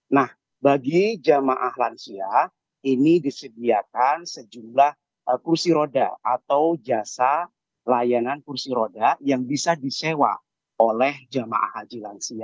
nah bagi jemaah lansia ini disediakan sejumlah kursi roda atau jasa layanan kursi roda yang bisa disewa oleh jemaah haji lansia